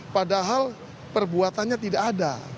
padahal perbuatannya tidak ada